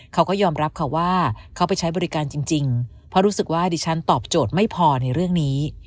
เขาก็ยอมรับค่ะว่าเขาไปใช้บริการจริงเพราะรู้สึกว่าดิฉันตอบโจทย์ไม่พอในเรื่องนี้